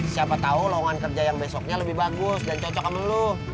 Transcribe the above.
siapa tahu lowongan kerja yang besoknya lebih bagus dan cocok sama lu